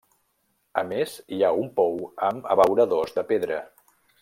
A més hi ha un pou amb abeuradors de pedra.